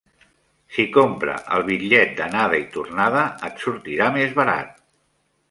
Si compra el bitllet d'anada i tornada, et sortirà més barat.